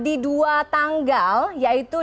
jadi ini adalah kondisi yang sangat beruntung